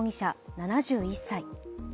７１歳。